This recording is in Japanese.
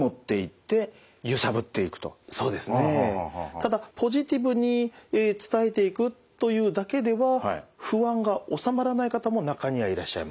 ただポジティブに伝えていくというだけでは不安が収まらない方も中にはいらっしゃいます。